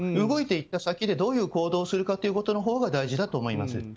動いていった先でどういう行動をするかというほうが大事だと思います。